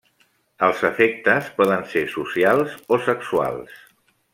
Els afectes poden ser socials o sexuals.